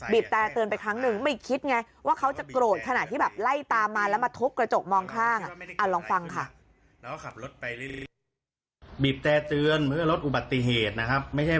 บีบแต่เตือนไปครั้งนึง